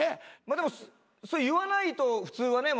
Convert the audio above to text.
でもそれ言わないと普通はね